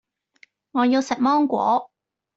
我要食芒果